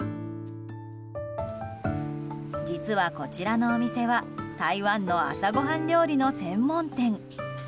実は、こちらのお店は台湾の朝ごはん料理の専門店。